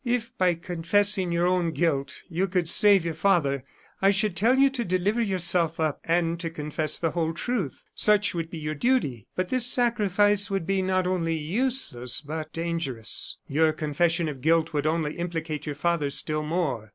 "If, by confessing your own guilt, you could save your father, I should tell you to deliver yourself up, and to confess the whole truth. Such would be your duty. But this sacrifice would be not only useless, but dangerous. Your confession of guilt would only implicate your father still more.